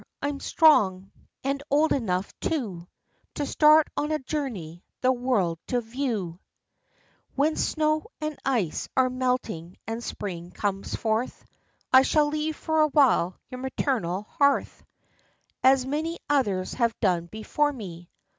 I'm strong, and old enough, too, To start on a journey, the world to view; When snow and ice are melting and spring comes forth, I shall leave for a while your maternal hearth, As many others have done before me."